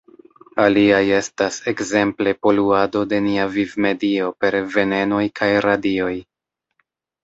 Aliaj estas ekzemple poluado de nia vivmedio per venenoj kaj radioj.